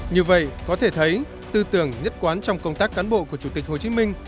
như vậy có thể thấy tư tưởng nhất quán trong công tác cán bộ của chủ tịch hồ chí minh